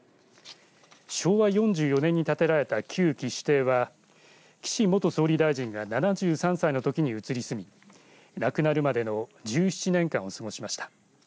昭和４４年に建てられた旧岸邸は岸元総理大臣が７３歳のときに移り住み、亡くなるまでの１７年間を過ごしました。